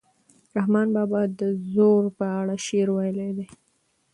رحمان بابا د زور په اړه شعر ویلی دی.